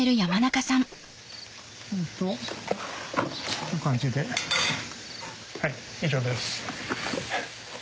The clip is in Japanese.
こんな感じではい以上です。